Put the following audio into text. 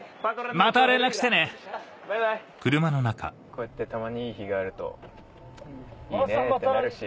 こうやってたまにいい日があるといいねぇってなるし。